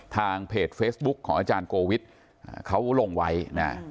ทางเพจเฟซบุ๊คของอาจารย์โกวิทเขาลงไว้นะ